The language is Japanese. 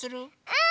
うん！